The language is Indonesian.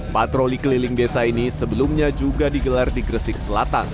patroli keliling desa ini sebelumnya juga digelar di gresik selatan